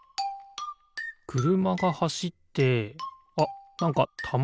くるまがはしってあっなんかたまがみえてんな。